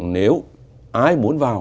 nếu ai muốn vào